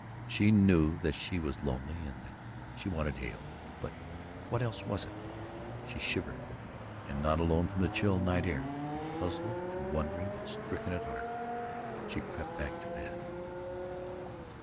She knew that she was lonely and that she wanted Hale but what else was it? She shivered and not alone from the chill night air and puzzled and wondering and stricken at heart, she crept back to bed.